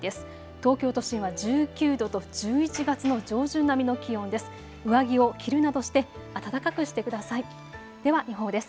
東京都心は１９度と１１月の上旬並みの気温です。